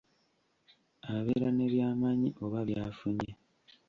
Abeera ne by'amanyi oba by'afunye.